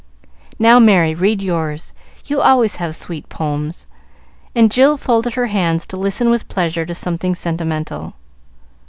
"Now, Merry, read yours: you always have sweet poems;" and Jill folded her hands to listen with pleasure to something sentimental.